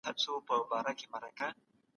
که ماشوم تقليد وکړي دا تعليم ته برخه ده.